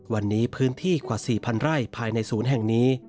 วันนี้พื้นที่กว่า๔๐๐ไร่ภายในศูนย์แห่งนี้